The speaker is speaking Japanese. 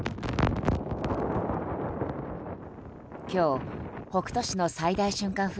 今日、北斗市の最大瞬間